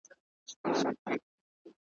ما یې کړي پر شنېلیو اتڼونه ,